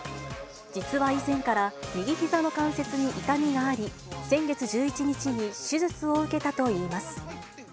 実は以前から右ひざの関節に痛みがあり、先月１１日に手術を受けたといいます。